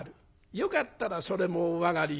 よかったらそれもお上がりよ」。